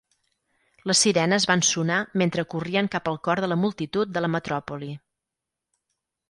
Les sirenes van sonar mentre corrien cap al cor de la multitud de la metròpoli.